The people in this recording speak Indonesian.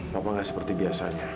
papa enggak seperti biasanya